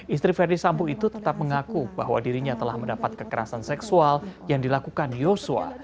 istri verdi sambo itu tetap mengaku bahwa dirinya telah mendapat kekerasan seksual yang dilakukan yosua